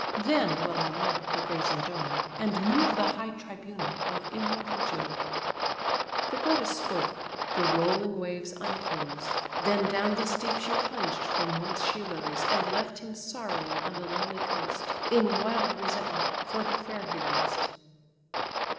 Then will I mount the brazen dome, and move The high tribunal of immortal Jove." The goddess spoke: the rolling waves unclose; Then down the steep she plunged from whence she rose, And left him sorrowing on the lonely coast, In wild resentment for the fair he lost.